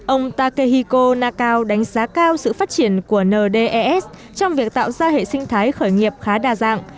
ông takehiko nakao đánh giá cao sự phát triển của ndes trong việc tạo ra hệ sinh thái khởi nghiệp khá đa dạng